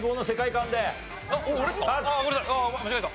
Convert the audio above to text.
間違えた。